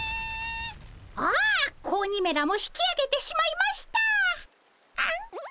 ああ子鬼めらも引きあげてしまいました。